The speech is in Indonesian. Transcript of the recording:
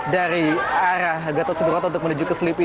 dari arah gatot subroto untuk menuju ke selipi